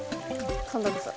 今度こそ。